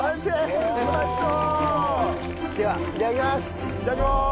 ではいただきます！